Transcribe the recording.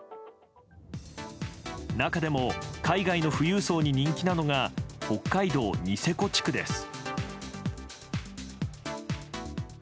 中でも海外の富裕層に人気なのが北海道ニセコ地区です。